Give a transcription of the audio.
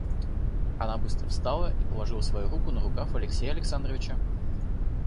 Она быстро встала и положила свою руку на рукав Алексея Александровича.